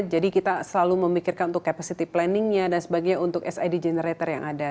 jadi kita selalu memikirkan untuk capacity planningnya dan sebagainya untuk sid generator yang ada